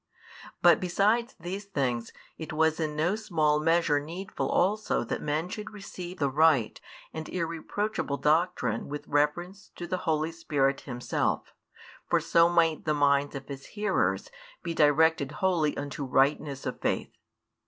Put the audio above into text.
But besides these things it was in no small measure needful also that men should receive the right and irreproachable doctrine with reference to the Holy Spirit Himself; for so might the minds of His hearers be directed wholly unto Tightness of faith.